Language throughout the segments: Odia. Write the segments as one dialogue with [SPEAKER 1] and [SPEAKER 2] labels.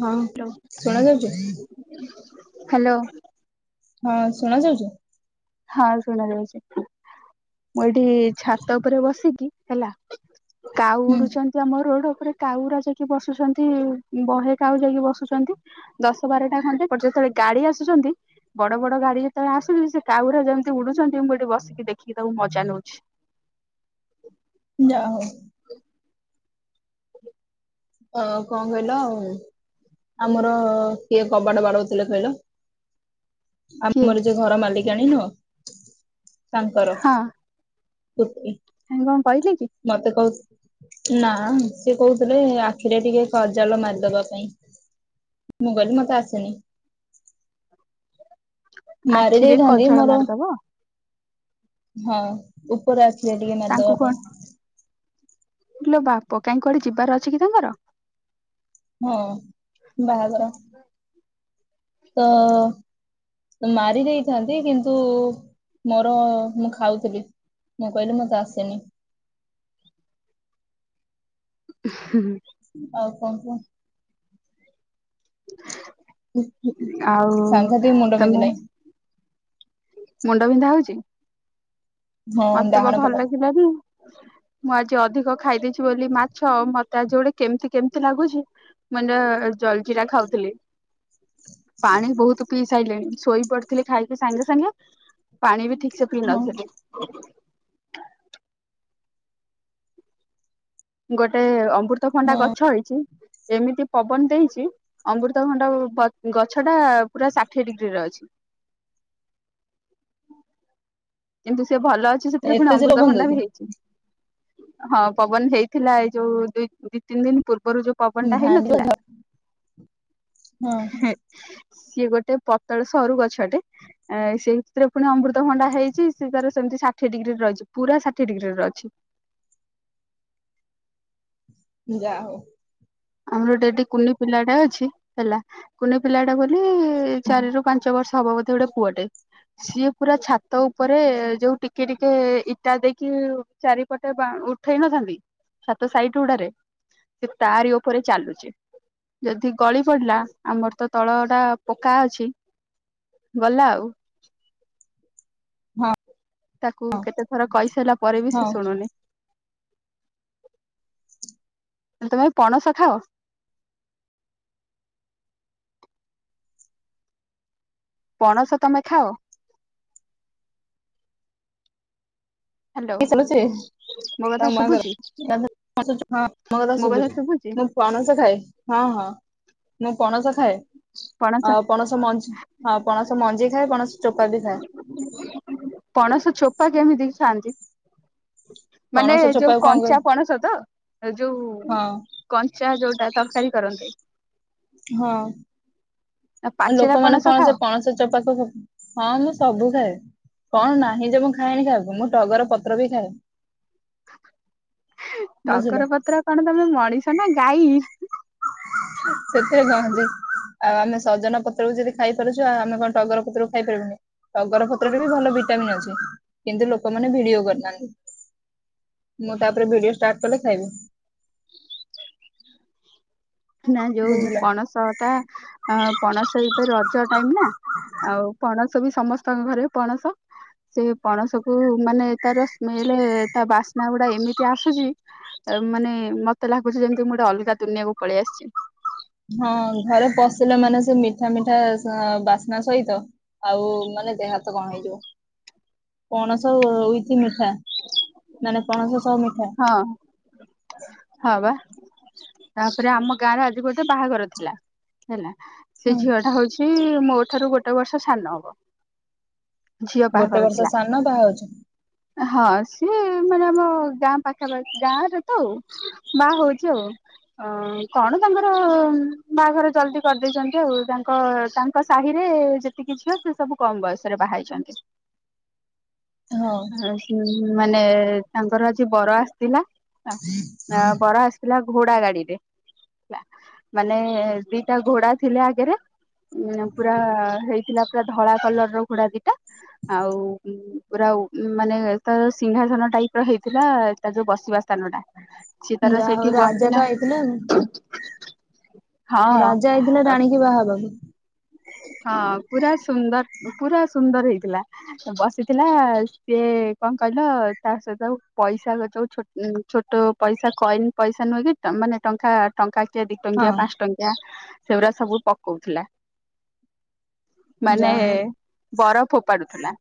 [SPEAKER 1] ହଁ ଶୁଣା ଯାଉଛି
[SPEAKER 2] ହାଲୋ
[SPEAKER 1] ହଁ ଶୁଣା ଯାଉଛି
[SPEAKER 2] ହଁ ଶୁଣା ଯାଉଛି ମୁଁ ଏଠି ଛାତ ଉପରେ ବସିକି ହେଲା କାଉ
[SPEAKER 1] ହୁଁ
[SPEAKER 2] ଉଡୁଛନ୍ତି ଆମ ରୋଡ ଉପରେ କାଉରା ଯାଇକି ବସୁଛନ୍ତି ବହେ କାଉ ଯାଇକି ବସୁଛନ୍ତି ଦଶ ବାରଟା ଖଣ୍ଡେ ଯେତେବେଳେ ଗାଡି ଆସୁଛନ୍ତି ବଡ ବଡ ଗାଡି ଯେତେବେଳେ ଆସୁଛନ୍ତି ସେ କାଉ ଗୁଡା ଯେମିତି ଉଡୁଛନ୍ତି ମୁଁ ଏଠି ବସିକି ଦେଖି ତାକୁ ମଜା ନେଉଛି
[SPEAKER 1] ଯାହଉ ଅ କଣ କହିଲ ଆଉ ଆମର କିଏ କବାଟ ବାଡଉଥିଲା କହିଲ
[SPEAKER 2] କିଏ
[SPEAKER 1] ଆମର ଯୋଉ ଘର ମାଲିକାଣି ନୁହଁ ତାଙ୍କର ଓକେ
[SPEAKER 2] ଆଇ କଣ କହିଲେ କି
[SPEAKER 1] ମତେ କହୁ ନା ସିଏ କହୁଥିଲେ ଆଖିରେ ଟିକେ ସଜାଲ ମାରିଦବା ପାଇଁ ମୁଁ ଗଲିି ମତେ ଆସେନି ମାରି
[SPEAKER 2] ଆଖିରେ
[SPEAKER 1] ଦେଇଥାନ୍ତି
[SPEAKER 2] କଜଳ
[SPEAKER 1] ମୋର
[SPEAKER 2] ମାରିଦବ
[SPEAKER 1] ହଁ ଉପର ଆସିଲେ ଟିକେ ମାରିଦବା ପାଇଁ
[SPEAKER 2] ଇଲୋ ବାପ କାଁଇ କୁଆଡେ ଯିବାର ଅଛି କି ତାଙ୍କର
[SPEAKER 1] ହଁ ବାହାଘର ତ ମାରି ଦେଇଥାନ୍ତି କିନ୍ତୁ ମୋର ମୁଁ ଖାଉଥିବି ମୁଁ କହିଲି ମତେ ଆସେନି
[SPEAKER 2] ହଁ
[SPEAKER 1] ଆଉ କଣ କୁହ
[SPEAKER 2] ଆଉ
[SPEAKER 1] ସାଂଘାତିକ ମୁଣ୍ଡ
[SPEAKER 2] ତମେ
[SPEAKER 1] ବିନ୍ଧିଲାଣି
[SPEAKER 2] ମୁଣ୍ଡ ବିିନ୍ଧା ହଉଛି
[SPEAKER 1] ହଁ
[SPEAKER 2] ମତେ ବା
[SPEAKER 1] ଡାହାଣ
[SPEAKER 2] ଭଲ
[SPEAKER 1] ପଟ
[SPEAKER 2] ଲାଗିଲାନି ମୁଁ ଆଜି ଅଧିକ ଖାଇ ଦେଇଛି ବୋଲି ମାଛ ମତେ ଆଜି ଗୋଟେ କେମିତି କେମତି ଲାଗୁଛି ମୁଁ ଏଇନା ଜଲଜିରା ଖାଉଥିଲି ପାଣି ବହୁତ ପିଇ ସାରିଲେଣି ଶୋଇ ପଡିଥିଲି ଖାଇକି ସାଙ୍ଗେ ସାଙ୍ଗେ ପାଣି ବି ଠିକ ସପଲାଲ
[SPEAKER 1] ହଁ
[SPEAKER 2] ସେଟେ ଗୋଟେ ଅମୃତଭଣ୍ଡା
[SPEAKER 1] ହଁ
[SPEAKER 2] ଗଛ ହେଇଛି ଏମିତି ପବନ ଦେଇଛି ଅମୃତ ଖଣ୍ଡ ଗଛ ଟା ପୁରା ଷାଠିଏ ଡିଗ୍ରୀ ରେ ଅଛି କିନ୍ତୁ ସେ ଭଲ ଅଛି ସେଥିରେ ପୁଣି
[SPEAKER 1] ଏତେ ଜୋରେ
[SPEAKER 2] ଅମୃତଭଣ୍ଡା
[SPEAKER 1] ବନ୍ଧୁଛି
[SPEAKER 2] ବି ହେଇଛି ହଁ ପବନ ହେଇଥିଲା ଏଇ ଯୋଉ ଦିଇ ଦି ତିନି ଦିନ ପୂର୍ବରୁ ଯୋଉ ପବନ ଟା
[SPEAKER 1] ଭାଙ୍ଗିବ
[SPEAKER 2] ହେଇନଥିଲା
[SPEAKER 1] ଧ ହଁ
[SPEAKER 2] ସିଏ ଗୋଟେ ପତଳ ସରୁ ଗଛଟେ ସେଇଥିରେ ପୁଣି ଅମୃତଭଣ୍ଡା ହେଇଛି ସେ ତାର ସେମି ଷାଠଏ ଡିଗ୍ରୀରେ ଅଛି ପୁରା ାିଏ ଡି୍ରୀରେ ଅଛି
[SPEAKER 1] ଯାହଉ
[SPEAKER 2] ଆମର ଡେଠ କୁନି ପିଲାଟା ଅଛି ହେଲା କୁନି ପିଲା ଟା ବୋଲି ଚାରି ରୁ ପାଞ୍ଚ ବର୍ଷ ହବ ବୋଧେ ଗୋଟେ ପୁଅଟେ ସିଏ ପୁରା ଛାତ ଉପରେ ଯୋଉ ଟିକେ ଟିକେ ଇଟା ଦେଇକି ଚାରିପଟେ ଉଠେଇ ନଥାନ୍ତି ସାତ ସାଇଟ ଗୁଡାରେ ସେ ତାରି ଉପରେ ଚାଲୁଚ ଯଦି ଗଳି ପଡିଲା ଆମର ତ ତଳ ଟା ପକା ଅଛି ଗଲା ଆଉ
[SPEAKER 1] ହଁ
[SPEAKER 2] ତାକୁ
[SPEAKER 1] ହଁ
[SPEAKER 2] କେତେ ଥର କହିସାରିଲା ପରେ ବି
[SPEAKER 1] ହଁ
[SPEAKER 2] ସେ ଶୁଣୁନି ତମେ ପଣସ ଖାଅ ପଣସ ତମେ ଖାଅ ହ୍ୟାଲୋ
[SPEAKER 1] ଚାଲୁଛିଁ
[SPEAKER 2] ମୋ କଥା ଶୁଭୁଛି
[SPEAKER 1] କଥା
[SPEAKER 2] ମୋ
[SPEAKER 1] ଶୁଭୁ
[SPEAKER 2] କଥା ଶୁଭୁଛି
[SPEAKER 1] ମୁଁ ପଣସ ଖାଏ ହଁ ହଁ ମୁଁ ପଣସ ଖାଏ ଆ ପଣସ ମଞ୍ଜି ହଁ ପଣସ ମଞ୍ଜି ଖାଏ ପଣସ ଚୋପା ବି ଖାଏ
[SPEAKER 2] ପଣସ ଛୋପା କେମିତି ଥାଆନ୍ତି ମାନେ
[SPEAKER 1] ପଣସ
[SPEAKER 2] ଯୋଉ
[SPEAKER 1] ଚୋପାକୁ କଣ କରେ
[SPEAKER 2] କଞ୍ଚା ପଣସ ତ ଯୋଉ
[SPEAKER 1] ହଁ
[SPEAKER 2] କଞ୍ଚା ଯୋଉଟା ତରକାରୀ କରନ୍ତିେ
[SPEAKER 1] ହଁ
[SPEAKER 2] ନା ପାଚିଲା
[SPEAKER 1] ଲୋକମାନୋନ
[SPEAKER 2] ପଣସ
[SPEAKER 1] କଣ
[SPEAKER 2] ଖାଅ
[SPEAKER 1] ସେ ପଣସ ଚପାଖ ସବୁ ହଁ ମୁଁ ସବୁ ଖାଏ କଣ ନାହିଁ ଯେ ମୁଁ ଖାଏନି ଖାଇବାକୁ ମୁଁ ଟଗର ପତ୍ର ବି ଖାଏ ବୁଝିଲ
[SPEAKER 2] ତଗର ପତ୍ର କଣ ତମେ ମଣିଷ ନା ଗାଈ
[SPEAKER 1] ସେଥିରେ ଚାହୁଁନ୍ତି ଆଉ ଆମେ ସଜନ ପତ୍ରକୁ ଯଦି ଖାଇପାରୁଛୁ ଆଉ ଆମେ କଣ ଟଗର ପତ୍ରକୁ ଖାଇ ପାରିବୁନି ଅଗର ପତ୍ରରେ ବି ଭଲ ଭିଟାମିନ୍ ଅଛି କିନ୍ତୁ ଲୋକମାନେ ଭିଡିଓ କରିଥାହାନ୍ତି ମୁଁ ତାପରେ ଭିଡିଓ ଷ୍ଟାର୍ଟ କଲେ ଖାଇବି
[SPEAKER 2] ନା ଯୋଉ
[SPEAKER 1] ବୁଝିଲ।
[SPEAKER 2] ପଣସ ଟା ପଣସ ଏବେ ରଜ ଟାଇମ ନା ଆଉ ପଣସ ବି ସମସ୍ତଙ୍କ ଘରେ ପଣସ ସେ ପଣସ କୁ ମାନେ ତାର ସ୍ମେଲ ତା ବାସ୍ନା ଗୁଡା ଏମିତି ଆସୁଛି ମାନେ ମତେ ଲାଗୁଛି ଯେମିତି ମୁଁ ଗୋଟେ ଅଲଗା ଦୁନିଆକୁ ପଳେଇ ଆସିଛି
[SPEAKER 1] ହଁ ଘରେ ପଶିଲେ ମାନେ ସେ ମିଠା ମିଠା ବାସ୍ନା ସହିତ ଆଉ ମାନେ ଦେହ ହାତ କଣ ହେଇଯିବ ପଣସ ଇଛି ମିଠା ମାନେ ପଣସ ସହ ମିଠା
[SPEAKER 2] ହଁ ହଁ ବା ତାପରେ ଆମ ଗାଁରେ ଆଜି ଗୋଟେ ବାହାଘର ଥିଲା ହେଲା ସେ
[SPEAKER 1] ହଁ
[SPEAKER 2] ଝିଅ ଟା ହଉଛି ମୋ ଠାରୁ ଗୋଟେ ବର୍ଷ ସାନ ହବ ଝିଅ
[SPEAKER 1] ଗୋଟେ
[SPEAKER 2] ବାହାଘର
[SPEAKER 1] ବର୍ଷ
[SPEAKER 2] ଥିଲା
[SPEAKER 1] ସାନ ବାହା ହଉଛି
[SPEAKER 2] ହଁ ସିଏ ମାନେ ଆମ ଗାଁ ପାଖାପାଖି ଗାଁରେ ତ ଆଉ ବା ହଉଛି ଆଉ ଅ କଣ ତାଙ୍କର ବାହାଘର ଜଲଦି କରିଦେଇଛନ୍ତି ଆଉ ତାଙ୍କ ତାଙ୍କ ସାହିରେ ଯେତିକି ଝିଅ ସେ ସବୁ କମ ବୟସରେ ବାହାଇଛନ୍ତି
[SPEAKER 1] ହଁ
[SPEAKER 2] ଆ ମାନେ ତାଙ୍କର ଆଜି ବର ଆସି ଥିଲା ବର ଆସିଥିଲା ଘୋଡା ଗାଡିରେ ମାନେ ଦିଟା ଘୋଡା ଥିଲେ ଆଗରେ ଉ ପୁରା ହେଇଥିଲା ପୁରା ଧଳା କଲର ର ଘୋଡା ଦିଟା ଆଉ ପୁରା ମାନେ ତାର ସିଂହାସନ ଟାଇପ ର ହେଇଥାିବ [unintelligible] ତା ଯୋଉ ବସିବା ସ୍ଥାନ ଟା ସେ ତାର
[SPEAKER 1] ଯାହା ହଉ
[SPEAKER 2] ସେଇଠି
[SPEAKER 1] ରାଜା ତ
[SPEAKER 2] ବସିଥିଲା।
[SPEAKER 1] ଆଇଥିଲେ ରାଜା ହେଇଥିଲେ ରାଣୀକି ବାହା ହେବାକୁ।
[SPEAKER 2] ହଁ ପୁରା ସୁନ୍ଦର ପୁରା ସୁନ୍ଦର ହେଇଥିଲା। ବସିଥିଲା ସିଏ କଣ କହିଲ ତା ସହିତ ପଇସା ଯୋଉଛୋ ଛୋଟ ପଇସା କଏନ ପଇସା ନୁହେଁ କି ମାନେ ଟଙ୍କା ଟଙ୍କା କିଏ ଦି
[SPEAKER 1] ହଁ
[SPEAKER 2] ଟଙ୍କିଆ ପାଞ୍ଚ ଟଙ୍କିଆ ସେଗୁଡ଼ା ସବୁ ପକଉଥିଲା। ମାନେ
[SPEAKER 1] ଯାହା ହଉ
[SPEAKER 2] ବର ଫୋପାଡୁଥିଲା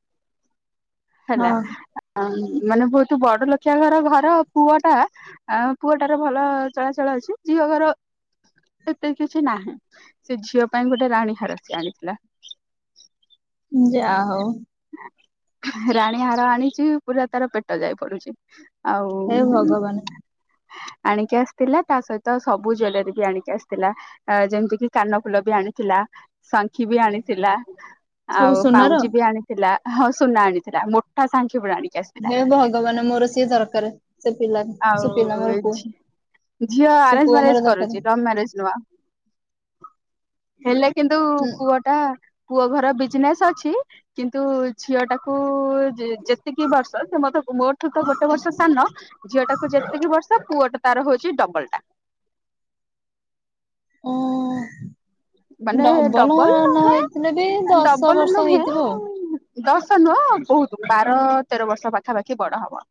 [SPEAKER 2] ହେଲା।
[SPEAKER 1] ହଁ
[SPEAKER 2] ହ ମାନେ ବହୁତ ବଡ ଲଖଆ ଘର ଘର ପୁଅ ଟା ଆ ପୁଅଟାର ଭଲ ଚଳାଚଳ ଅଛି ଝିଅ ଘର ଏତେ କିଛି ନାହିଁ ସେ ଝିଅ ପାଇଁ ଗୋଟେ ରାଣୀ ହାରସ ଆଣିଥିଲା।
[SPEAKER 1] ଯା ହଉ।
[SPEAKER 2] ରାଣୀ ହାର ଆଣିଛି ପୁରା ତାର ପେଟ ଯାଇ ପଡୁଛି।
[SPEAKER 1] ହେ
[SPEAKER 2] ଆଉ
[SPEAKER 1] ଭଗବାନ
[SPEAKER 2] ଆଣିକି ଆସିଥିଲା ତା ସହିତ ସବୁ ଜୁଲରୀ ବି ଆଣିକି ଆସିଥିଲା। ଯେମିତି କିି କାନ ଫୁଲ ବି ଆଣିଥିଲା ଶଙ୍ଖି ବି ଆଣିଥିଲା।
[SPEAKER 1] ସବୁ
[SPEAKER 2] ଆଉ
[SPEAKER 1] ସୁନାର
[SPEAKER 2] ପାଉଁଜି ବି ଆଣିଥିଲା ହଁ ସୁନା ଆଣିଥିଲା ମୋଟା ସାଙ୍ଙ୍ଗୀ ପୁଡ ଆଣି
[SPEAKER 1] ହେ ଭଗବାନ ମୋର ସିଏ ଦରକାର ସେ ପିଲା। ସେ
[SPEAKER 2] ଆଉ
[SPEAKER 1] ପିଲା ମୋର ପୁଅ
[SPEAKER 2] ଝିଅ
[SPEAKER 1] ସେ
[SPEAKER 2] ଆରେଞ୍ଜ
[SPEAKER 1] ପୁଅ ମୋର
[SPEAKER 2] ମ୍ୟାରେଜ
[SPEAKER 1] ଦରକାର
[SPEAKER 2] କରୁଛି ଲଭ ମ୍ୟାରେଜ ନୁଁହ। ହେଲେ କିନ୍ତୁ
[SPEAKER 1] ଉଁ
[SPEAKER 2] ପୁଅ ଟା ପୁଅ ଘର ବିଜନେସ୍ ଅଛି କିନ୍ତୁ ଝିଅ ଟାକୁ ଯେତିକି ବର୍ଷ ସେ ମତ ମୋ ଠୁ ତ ଗୋଟେ ବର୍ଷ ସାନ ଝିଅ ଟାକୁ ଯେତିକି ବର୍ଷ ସେ ପୁଅଟ ତାର ହଉଛି ଡବଲ ଟା।
[SPEAKER 1] ଓ।
[SPEAKER 2] ମାନେ
[SPEAKER 1] ଡବଲ ନ
[SPEAKER 2] ନୁହେଁ
[SPEAKER 1] ହେଇଥିଲେ ବି ଦଶ
[SPEAKER 2] ଡବଲ
[SPEAKER 1] ବର୍ଷ
[SPEAKER 2] ନୁହେଁ
[SPEAKER 1] ହେଇଥିବ ଆଉ।
[SPEAKER 2] ଦଶ ନୁହଁ ବହୁତ ବାର ତେର ବର୍ଷ ପାଖାପାଖି ବଡ ହବ।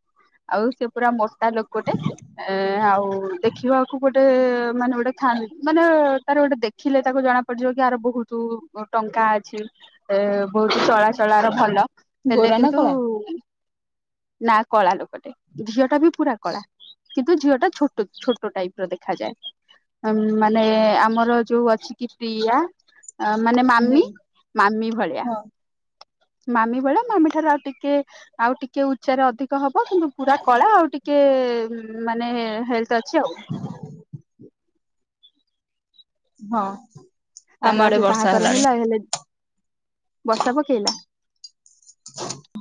[SPEAKER 2] ଆଉ ସେ ପୁରା ମଶା ଲୋକଟେ। ଏ ଆଉ ଦେଖିବାକୁ ଗୋଟେ ମାନେ ଗୋଟେ ଥାନ୍ତି ମାନେ ତାର ଗୋଟେ ଦେଖିଲେ ତାକୁ ଜଣା ପଡିଯିବ କି ଆହାର ବହୁତ ଟଙ୍କା ଅଛି ଏ ବହୁତ ଚଳାଚଳର ଭଲ। ହେଲେ
[SPEAKER 1] ଗୋରା ନା
[SPEAKER 2] କିନ୍ତୁ
[SPEAKER 1] କଳା?
[SPEAKER 2] ନା କଳା ଲୋକଟେ ଝିଅ ଟା ବି ପୁରା କଳା। କିନ୍ନ୍ତୁ ଝିଅ ଟା ଛୋଟ ଛୋଟ ଟାଇପ ର ଦେଖାଯାଏ। ମାନେ ଆମର ଯୋଉ ଅଛି କି ପ୍ରିୟଆ ମାନେ
[SPEAKER 1] ମେ
[SPEAKER 2] ମାମି ମାମି ଭଳିଆ।
[SPEAKER 1] ହଁ
[SPEAKER 2] ମାମି ଭେଳିଆ ମାମି ଠାରୁ ଆଉ ଟିକେ ଆଉ ଟିକେ ଉଚ୍ଚାରେ ଅଧିକ ହବ କିନ୍ତୁ ପୁରା କଳା ଆଉ ଟିକେ ମାନେ ହେଲ୍ଥ ଅଛି ଆଉ।
[SPEAKER 1] ହ ହଁ
[SPEAKER 2] ତାର
[SPEAKER 1] ଆମ
[SPEAKER 2] ଆଜି
[SPEAKER 1] ଆଡେ ବର୍ଷା
[SPEAKER 2] ବାହାଘର
[SPEAKER 1] ହେଲାଣି।
[SPEAKER 2] ହେଲା ହେଲେ ବର୍ଷା ପକେଇଲା?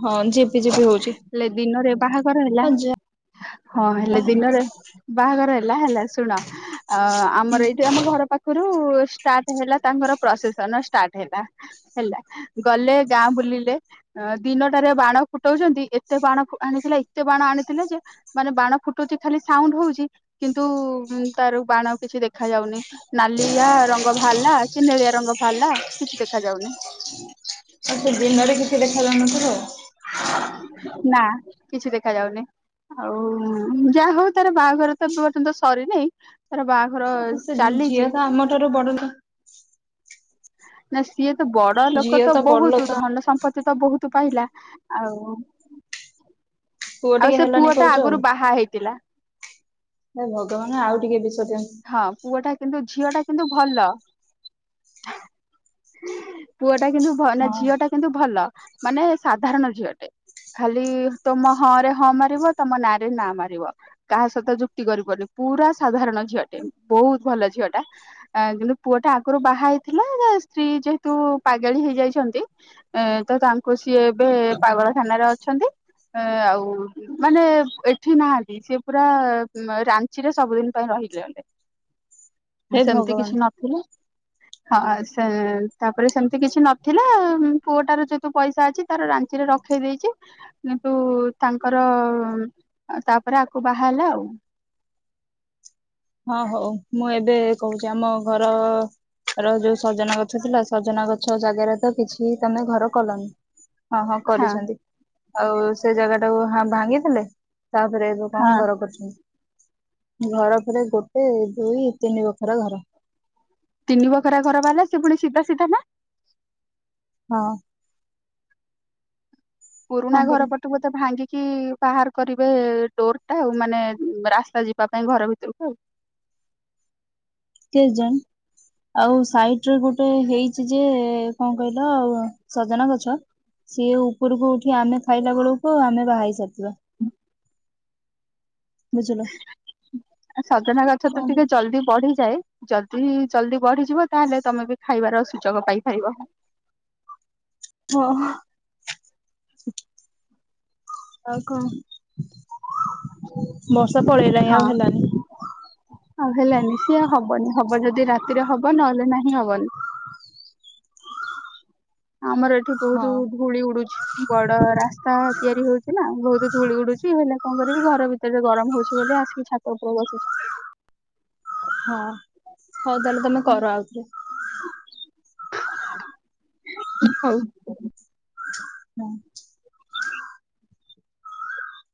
[SPEAKER 1] ହଁ ଝିପି ଝିପି ହଉଛି
[SPEAKER 2] ହେଲେ ଦିନରେ ବାହାଘର ହେଲା।
[SPEAKER 1] ଆଉ ଯା
[SPEAKER 2] ହଁ ହେଲେ ଦିନରେ ବାହାଘର ହେଲା ହେଲା ଶୁଣ ଅ ଆମର ଏଇଠି ଆମ ଘର ପାଖରୁ ଷ୍ଟାର୍ଟ ହେଲା ତାଙ୍କର ପ୍ରସେସନ ଷ୍ଟାର୍ଟ ହେଲା। ହେଲା ଗଲେ ଗାଁ ବୁଲିଲେ। ଦିନଟାରେ ବାଣ ଫୁଟାଉଛନ୍ତି ଏତେ ବାଣ ଆଣିଥିଲା ଏତେ ବାଣ ଆଣିଥିଲା ଯେ ମାନେ ବାଣ ଫୁଟୁଛି ଖାଲି ସାଉଣ୍ଡ ହଉଛି। କିନ୍ତୁ ତାର ବାଣ କିଛି ଦେଖା ଯାଉନି ନାଲିଆ ରଙ୍ଗ ରଙ୍ଗ ବାହାରିଲା କି ନଳିଆ ରଙ୍ଗ ବାହାରିଲା କିଛି ଦେଖା ଯାଉନି।
[SPEAKER 1] ଆଉ ସେ ଦିନରେ କିଛି ଦେଖାଯାଉନଥିବ।
[SPEAKER 2] ନା କିଛି ଦେଖାାଯାଉନି। ଆଉ ଯାହା ହଉ ତାର ବାହାଘର ତ ପର୍ଯ୍ୟନ୍ତ ସରିନାହିଁ ତାର ବାହା
[SPEAKER 1] ଆ ସେ ଝିଅ ତ ଆମ ଠାରୁ ବଢତ।
[SPEAKER 2] ନା ସିଏ ତ ବଡ ଲୋକ
[SPEAKER 1] ଝିଅ
[SPEAKER 2] ତ
[SPEAKER 1] ବଡ
[SPEAKER 2] ବହୁତ
[SPEAKER 1] ଲୋକ
[SPEAKER 2] ଧନ ସମ୍ପତ୍ତି ତ ବହୁତ ତୁ ପାଇଲା ଆଉ
[SPEAKER 1] ପୁଅ
[SPEAKER 2] ଆଉ
[SPEAKER 1] ଟିକେ
[SPEAKER 2] ସେ ପୁଅ ଟା ଆଗରୁ ବାହା ହେଇଥିଲା
[SPEAKER 1] ଏ ଭଗବାନ ଆଉ ଟିକେ ବିଷନ୍ତ
[SPEAKER 2] ହଁ ପୁଅ ଟା କିନ୍ତୁ ଝିଅ ଟା କିନ୍ତୁ ଭଲ ପୁଅ ଟା କିନ୍ତୁ ନା
[SPEAKER 1] ହଁ।
[SPEAKER 2] ଝିଅ ଟା କିନ୍ତୁ ଭଲ ମାନେ ସାଧାରଣ ଝିଅଟେ ଖାଲି ତମ ହଁ ରେ ହଁ ମାରିବ ତମ ନାଁରେ ନା ମାରିବ କାହା ସହିତ ଯୁକ୍ତି କରିପାରୁନି ପୁରା ସାଧାରଣ ଝିଅଟେ ବହୁତ ଭଲ ଝିଅ ଟା କିନ୍ତୁ ପୁଅ ଟା ଆଗରୁ ବାହା ହେଇଥିଲା ସ୍ତ୍ରୀ ଯେହେତୁ ପାଗଳ ହେଇଯାଇଛନ୍ତି ଏ ତ ତାଙ୍କୁ ସିଏ ଏବେ ପାଗଳ ଥାନାରେ ଅଛନ୍ତି ଏ ଆଉ ମାନେ ଏଠି ନାହାନ୍ତି ସେି ପୁରା ରାଞ୍ଚିରେ ସବୁଦିନ ପାଇଁ ରହିଲେ ଅଲେେ
[SPEAKER 1] ହେ
[SPEAKER 2] ସେମିତି
[SPEAKER 1] ଭଗବାନ
[SPEAKER 2] କିଛି ନଥଥିଲେ ହଁ ତାପରେ ସେମିତି କିଛି ନଥିଲା ପୁଅଟାର ଯୋତୁ ପଇସା ଅଛି ତାର ରାଞ୍ଚିରେ ରଖେଇ ଦେଇଛି କିନ୍ତୁ ତାଙ୍କର ତାପରେ ଆକୁ ବାହା ହେଲା ଆଉ
[SPEAKER 1] ହଁ ହଉ ମୁଁ ଏବେ କହୁଛି ଆମ ଘର ଆ ଯୋଉ ସଜନା ଗଛ ଥିଲା ସଜନା ଗଛ ଜାଗାରେ ତ କିଛି ତମେ ଘର କଲନି ହଁ ହଁ କରିଛନ୍ତି ଆଉ ସେ ଜାଗା ଟାକୁ ଭାଙ୍ଗିଥିଲେ ତାପରେ କଣ
[SPEAKER 2] ହଁ
[SPEAKER 1] ଘର କରୁଛନ୍ତି ଘର ଫରେ ଗୋଟେ ଦୁଇ ତିନି ପାଖର ଘର
[SPEAKER 2] ତିନି ବଖରା ଘର ବାଲା ସେ ପୁଣି ସିଧା ସିଧା ନା
[SPEAKER 1] ହଁ
[SPEAKER 2] ପୁରୁଣା
[SPEAKER 1] କଣ
[SPEAKER 2] ଘର
[SPEAKER 1] କରିବି
[SPEAKER 2] ପ ବୋଧେ ଭାଙ୍ଗିକି ବାହାର କରିବେ ଡୋର ଟା ଆଉ ମାନେ ରାସ୍ତା ଯିବା ପାଇଁ ଘର ଭିତରକୁ ଆଉ
[SPEAKER 1] କେ ଜଣ ଆଉ ସାଇଟ ରେ ଗୋଟେ ହେଇଛି ଯେ କଣ କହିଲ ଆଉ ସଜନା ଗଛ ସିଏ ଉପରକୁ ଉଠି ଆମେ ଖାଇଲା ବେଳକୁ ଆ ଆମେ ବାହା ହେଇ ସାରିବା ବୁଝିଲ
[SPEAKER 2] ସଜନା ଗଛ ତ
[SPEAKER 1] କଣ
[SPEAKER 2] ଟିକେ ଜଲଦି ବଢିଯାଏ ଜଲଦି ଜଲଦି ବଢିଯିବ ତାହେଲେ ତମେ ବି ଖାଇବାର ସୁଯୋଗ ପାଇପାରିବ
[SPEAKER 1] ହଁ ଆଉ କଣ ବର୍ଷା ପଳେଇଲାଣି
[SPEAKER 2] ହଁ
[SPEAKER 1] ଆଉ ହେଲାନି
[SPEAKER 2] ଆଉ ହେଲାନି ସିଏ ହବନି ହବ ଯଦି ରାତିରେ ହବ ନହେଲେ ନାହିଁ ହବନି ଆମର ଏଠି
[SPEAKER 1] ହଁ
[SPEAKER 2] ବହୁତ ଧୂଳି ଉଡୁଛି ବଡ ରାସ୍ତା ତା ତିଆରି ହଉଛି ନା ବହୁତ ଧୂୁଳି ଉଡୁଛି ହେଲା କଣ କରିବି ଘର ଭିତରେ ଗରମ ହଉଛି ବୋଲି ଆସିକି ଛାକ ପୁଳ ବସୁଛି
[SPEAKER 1] ହଁ ହଉ ତାହେଲେ ତମେ କର ଆଉଥରେ
[SPEAKER 2] ହଉ
[SPEAKER 1] ହୁଁ